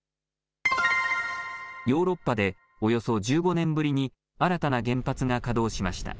ヨーロッパでおよそ１５年ぶりに新たな原発が稼働しました。